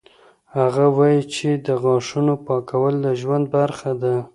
هغه وایي چې د غاښونو پاکول د ژوند برخه ده.